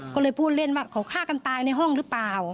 ก็เลยพูดเล่นว่าเขาฆ่ากันตายในห้องหรือเปล่า